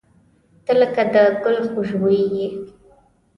• ته لکه د ګل خوشبويي یې.